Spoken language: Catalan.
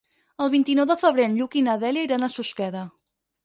El vint-i-nou de febrer en Lluc i na Dèlia iran a Susqueda.